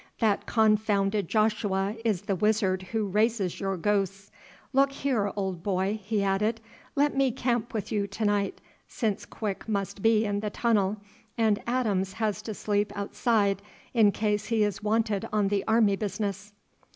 That confounded Joshua is the wizard who raises your ghosts. Look here, old boy," he added, "let me camp with you to night, since Quick must be in the tunnel, and Adams has to sleep outside in case he is wanted on the army business."